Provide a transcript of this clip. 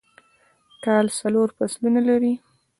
کال څلور فصلونه لري